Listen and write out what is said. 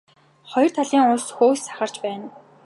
Хоёр талын ус хөөс сахарч байна.